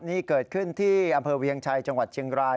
นี่เกิดขึ้นที่อำเภอเวียงชัยจังหวัดเชียงราย